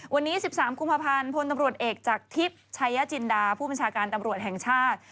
วันนี้๑๓กุภัพรพตเอกจากทิปชายจีนดาผู้พูดบริชาการตำรวจแห่งชาติ